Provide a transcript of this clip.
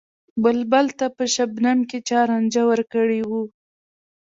بلبل ته په شبنم کــــې چا رانجه ور کـــړي وو